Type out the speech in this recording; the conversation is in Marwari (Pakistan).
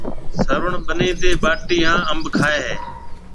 سروڻ ٻنِي تي ٻاٽِي هانَ انڀ کائي هيَ۔